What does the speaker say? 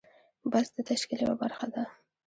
بست د تشکیل یوه برخه ده.